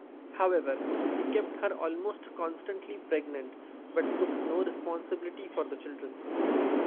However, he kept her almost constantly pregnant, but took no responsibility for the children.